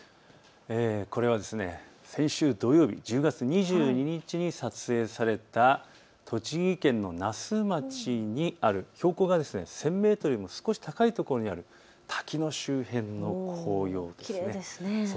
これは先週土曜日１０月２２日に撮影された栃木県の那須町にある標高が１０００メートルよりも少し高いところにある滝の周辺の紅葉です。